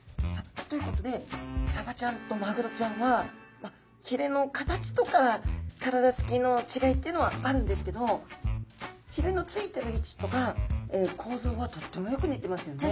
ということでサバちゃんとマグロちゃんはひれの形とか体つきの違いっていうのはあるんですけどひれのついてる位置とか構造はとってもよく似てますよね。